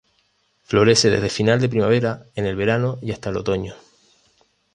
Florece desde final de primavera, en el verano y hasta el otoño.